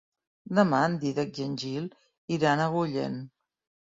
Demà en Dídac i en Gil iran a Agullent.